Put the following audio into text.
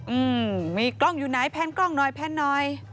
อืมมีกล้องอยู่ไหนแพนกล้องหน่อยแพนหน่อย